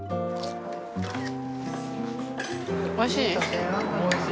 おいしい？